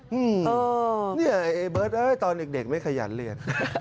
อืมนี่เบิร์ตตอนเด็กไม่ขยันเลย